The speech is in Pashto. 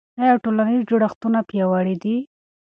آیا ټولنیز جوړښتونه پیاوړي دي؟